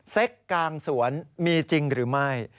เซ็กกลางสวนมีจริงหรือไม่